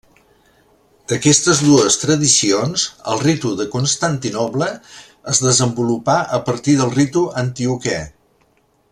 D'aquestes dues tradicions, el ritu de Constantinoble es desenvolupà a partir del ritu antioquè.